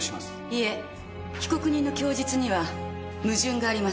いいえ被告人の供述には矛盾があります。